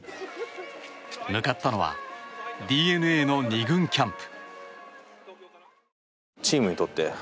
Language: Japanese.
向かったのはＤｅＮＡの２軍キャンプ。